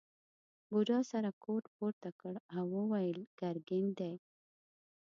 بوډا سره کوټ پورته کړ او وویل ګرګین دی.